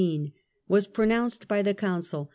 was pronounced by the Council ; XXIII.